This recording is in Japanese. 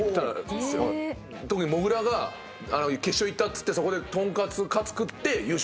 特にもぐらが決勝行ったっつってそこでとんかつかつ食って優勝してるんですよ。